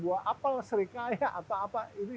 buah apel serikaya apa apa ini